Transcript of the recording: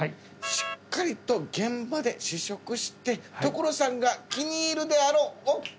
しっかりと現場で試食して所さんが気に入るであろうＯＫ